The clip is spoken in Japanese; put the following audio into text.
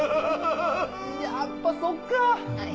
やっぱそっか！